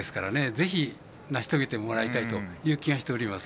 ぜひ、成し遂げてもらいたいという気がしております。